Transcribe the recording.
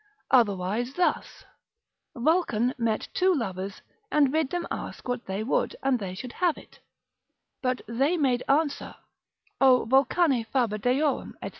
Otherwise thus, Vulcan met two lovers, and bid them ask what they would and they should have it; but they made answer, O Vulcane faber Deorum, &c.